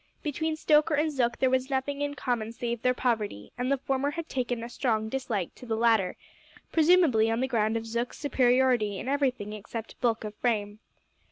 Between Stoker and Zook there was nothing in common save their poverty, and the former had taken a strong dislike to the latter, presumably on the ground of Zook's superiority in everything except bulk of frame.